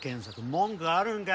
文句あるんか？